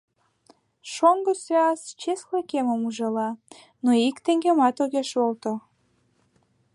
Шоҥго суас чесле кемым ужала, но ик теҥгемат огеш волто.